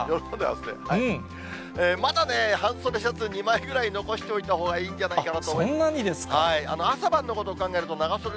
まだ半袖シャツ２枚ぐらい残しておいたほうがいいんじゃないかな